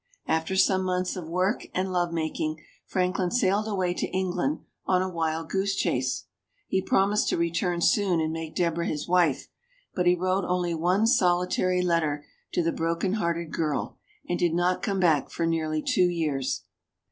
After some months of work and love making, Franklin sailed away to England on a wild goose chase. He promised to return soon and make Deborah his wife. But he wrote only one solitary letter to the broken hearted girl and did not come back for nearly two years.